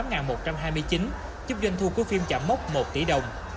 giúp doanh thu của phim chạm mốc một tỷ đồng